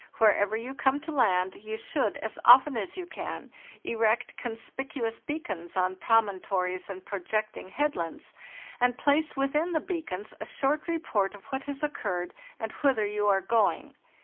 Wherever you come to land, you should, as often as you can, erect con spicuous beacons on promontories and projecting head lands, and place within the beacons a short report of what has occurred, and whither you are going.